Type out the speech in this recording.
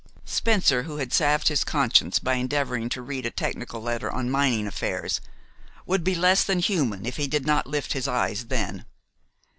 Spencer, who had salved his conscience by endeavoring to read a technical letter on mining affairs, would be less than human if he did not lift his eyes then.